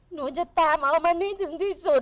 หนูจะตามเอามันให้ถึงที่สุด